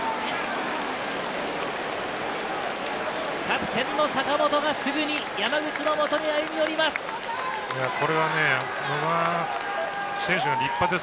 キャプテンの坂本がすぐに山口の元に歩み寄ります。